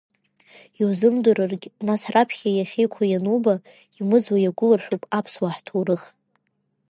Иузымдрыргь нас раԥхьа иахьеиқәу иануба, Имыӡуа иагәыларшәуп аԥсуаа ҳҭоурых.